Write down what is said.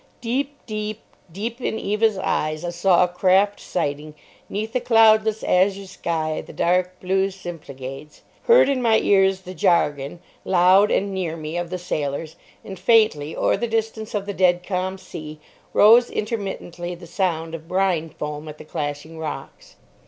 Deep, deep, deep in Eva's eyes I saw a craft sighting, 'neath a cloudless azure sky, the dark blue Symplegades; heard in my ears the jargon, loud and near me, of the sailors; and faintly o'er the distance of the dead calm sea rose intermittently the sound of brine foam at the clashing rocks....